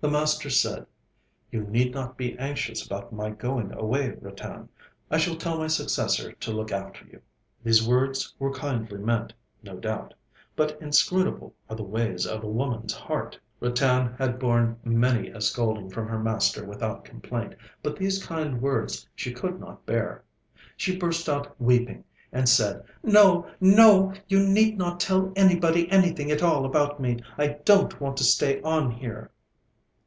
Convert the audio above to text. The master said: 'You need not be anxious about my going away, Ratan; I shall tell my successor to look after you.' These words were kindly meant, no doubt: but inscrutable are the ways of a woman's heart! Ratan had borne many a scolding from her master without complaint, but these kind words she could not bear. She burst out weeping, and said: 'No, no, you need not tell anybody anything at all about me; I don't want to stay on here.'